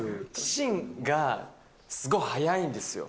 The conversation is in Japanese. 信がすごい速いんですよ。